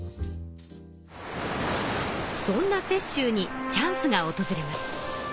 そんな雪舟にチャンスがおとずれます。